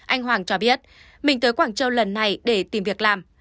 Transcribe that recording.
anh hoàng cho biết mình tới quảng châu lần này để tìm việc làm